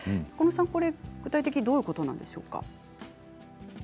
中野さん、具体的にどういうことなんでしょうか。